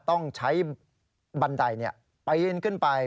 ต้องใช้บันไดปีนขึ้นไป